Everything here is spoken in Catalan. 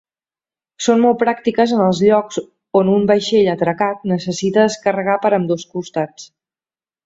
Són molt pràctiques en els llocs on un vaixell atracat necessita descarregar per ambdós costats.